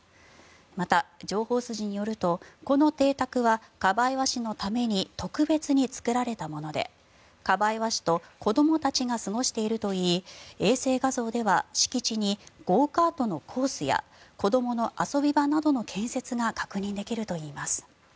また、情報筋によるとこの邸宅はカバエワ氏のために特別に作られたものでカバエワ氏と子どもたちが過ごしているといい衛星画像では敷地にゴーカートのコースや子どもの遊び場などの建設が確認できるといいます。